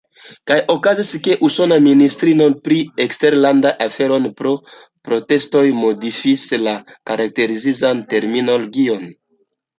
Kaj okazis, ke usona ministrino pri eksterlandaj aferoj pro protestoj modifis la karakterizan terminologion.